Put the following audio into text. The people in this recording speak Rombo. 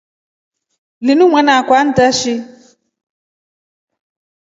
Linu mwanaakwa antaashi.